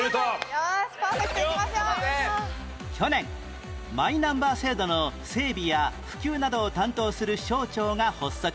去年マイナンバー制度の整備や普及などを担当する省庁が発足